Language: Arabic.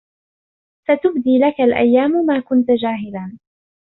ستبدي لك الأيام ما كنت جاهلا